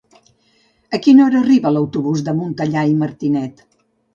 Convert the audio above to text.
A quina hora arriba l'autobús de Montellà i Martinet?